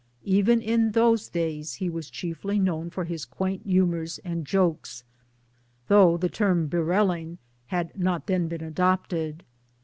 Even in those days he was chiefly known for his quaint humours and jokes though the term ' birrelling ' had not then been adopted.